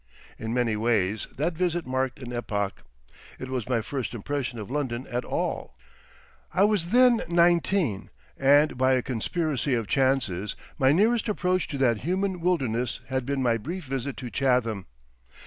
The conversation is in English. In many ways that visit marked an epoch. It was my first impression of London at all. I was then nineteen, and by a conspiracy of chances my nearest approach to that human wilderness had been my brief visit to Chatham.